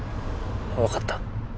わかった。